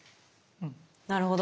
なるほど。